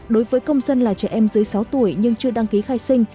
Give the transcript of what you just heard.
đối với công dân là trẻ em dưới sáu tuổi nhưng chưa đăng ký khai sinh